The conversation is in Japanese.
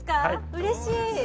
うれしい！